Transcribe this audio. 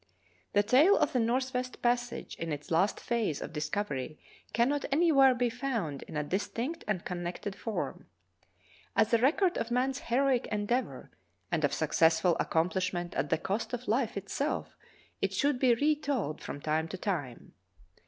The tale of the northwest passage in its last phase of discovery cannot anywhere be found in a distinct and connected form. As a record of man's heroic endeavor and of successful accomplishment at the cost of life itself, it should be retold from time to time.